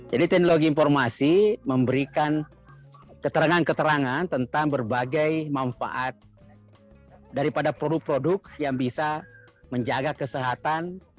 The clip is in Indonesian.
jadi teknologi informasi memberikan keterangan keterangan tentang berbagai manfaat daripada produk produk yang bisa menjaga kesehatan